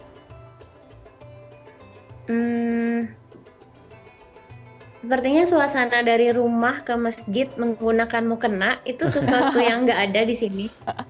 sepertinya suasana dari rumah ke masjid menggunakan mukena itu sesuatu yang nggak ada di sini